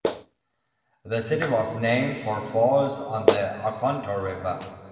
The city was named for falls on the Oconto River.